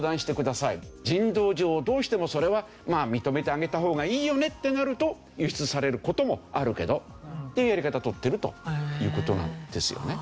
人道上どうしてもそれは認めてあげた方がいいよねってなると輸出される事もあるけどっていうやり方を取ってるという事なんですよね。